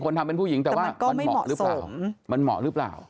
ทำเป็นผู้หญิงแต่ว่ามันเหมาะหรือเปล่ามันเหมาะหรือเปล่า